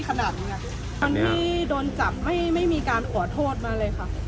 ขนาดอย่างงี้วันที่โดนจับไม่ไม่มีการขอโทษมาเลยค่ะ